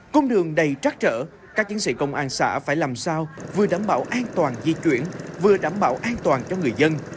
cung đường đầy trắc trở các chiến sĩ công an xã phải làm sao vừa đảm bảo an toàn di chuyển vừa đảm bảo an toàn cho người dân